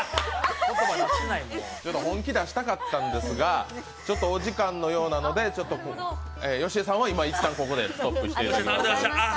ちょっと本気出したかったんですが、お時間のようなのでよしえさんは今、一旦ここでストップしていただきます。